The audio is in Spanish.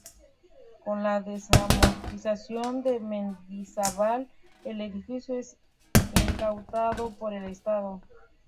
Con la desamortización de Mendizábal, el edificio es incautado por el Estado.